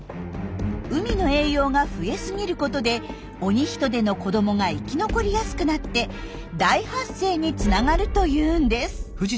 海の栄養が増え過ぎることでオニヒトデの子どもが生き残りやすくなって大発生につながるというんです。